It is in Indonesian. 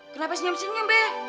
kenapa senyum senyum be